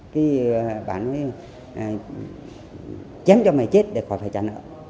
thì bà nói chém cho mày chết để khỏi phải trả nợ